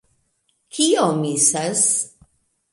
Kio misas?